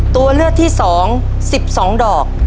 ตัวเลือดที่สอง๑๒ดอก